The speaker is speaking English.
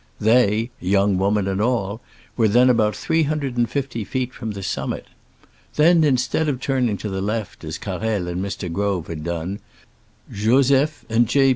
They (young woman and all) were then about three hundred and fifty feet from the sum mit I Then, instead of turning to the left, as Carrel and Mr. Grove had done, Joseph and J.